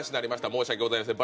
申し訳ございません」。